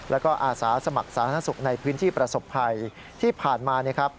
แล้วก็อาสาสมัครสาธารณสุขในพื้นที่ประสบภัยที่ผ่านมานะครับ